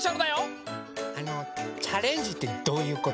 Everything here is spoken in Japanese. あのチャレンジってどういうこと？